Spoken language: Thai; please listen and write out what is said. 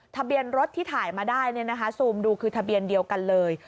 ทะเบียนรถที่ถ่ายมาได้ซูมดูคือทะเบียนเดียวกันเลย